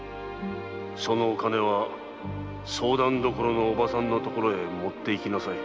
そのお金は“相談処”のおばさんのところへ持って行きなさい。